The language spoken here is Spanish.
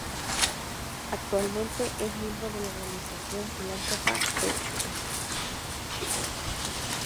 Actualmente es miembro de la organización filántropa Techo.